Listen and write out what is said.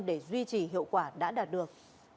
để duy trì hiệu quả đã đạt được